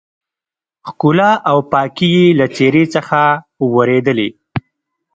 ښکلا او پاکي يې له څېرې څخه ورېدلې.